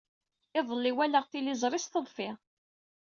Iḍelli, walaɣ tiliẓri s teḍfi.